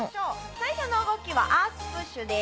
最初の動きはアースプッシュです。